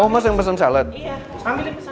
oh mas yang pesen salad iya ambil yang pesen